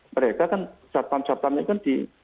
mereka kan satpam satpamnya kan di